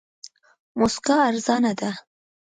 موسکا ارزانه ده.